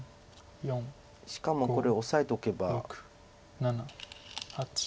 しかもこれオサえとけば。